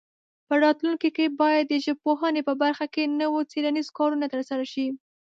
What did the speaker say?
په راتلونکي کې باید د ژبپوهنې په برخه کې نور څېړنیز کارونه ترسره شي.